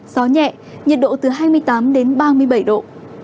gió nhẹ nhiệt độ từ hai mươi tám đến ba mươi bảy độ